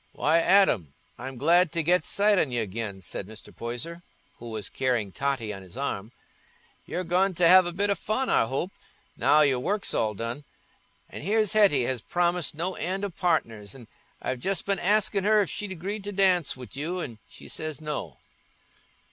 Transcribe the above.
"Why, Adam, I'm glad to get sight on y' again," said Mr. Poyser, who was carrying Totty on his arm. "You're going t' have a bit o' fun, I hope, now your work's all done. And here's Hetty has promised no end o' partners, an' I've just been askin' her if she'd agreed to dance wi' you, an' she says no."